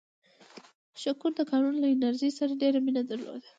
شکور د کانونو له انجنیرۍ سره ډېره مینه درلوده.